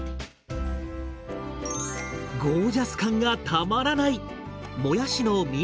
ゴージャス感がたまらない！